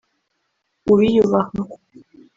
uwiyubaha